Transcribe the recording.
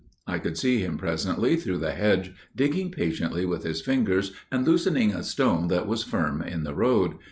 I could see him presently through the hedge digging patiently with his fingers and loosening a stone that was firm in the road.